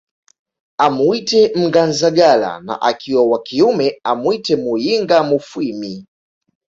Amuite Mnganzagala na akiwa wa kiume amwite Muyinga Mufwimi